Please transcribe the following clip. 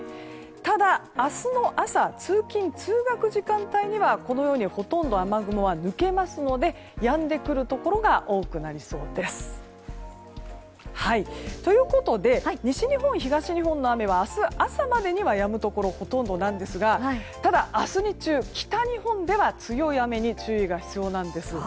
ただ、明日の朝通勤・通学時間帯にはほとんど雨雲は抜けますのでやんでくるところが多くなりそうです。ということで西日本、東日本の雨は明日朝までにはやむところがほとんどなんですがただ、明日日中、北日本では強い雨に注意が必要なんです。